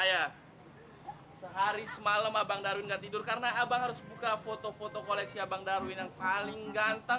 saya sehari semalam abang darwin nggak tidur karena abang harus buka foto foto koleksi abang darwin yang paling gampang